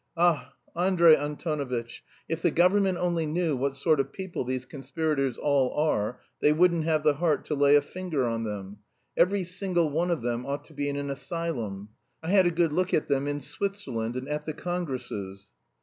Ah, Andrey Antonovitch, if the government only knew what sort of people these conspirators all are, they wouldn't have the heart to lay a finger on them. Every single one of them ought to be in an asylum; I had a good look at them in Switzerland and at the congresses."